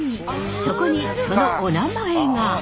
そこにそのおなまえが！